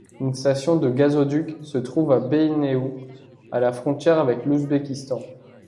Une station de gazoduc se trouve à Beïnéou, à la frontière avec l’Ouzbékistan.